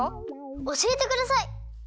おしえてください。